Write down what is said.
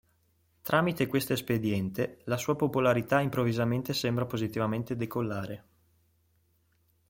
Tramite quest'espediente la sua popolarità improvvisamente sembra positivamente decollare.